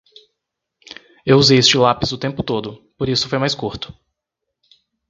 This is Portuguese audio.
Eu usei este lápis o tempo todo, por isso foi mais curto.